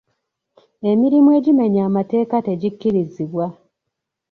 Emirimu egimenya amateeka tegikkirizibwa.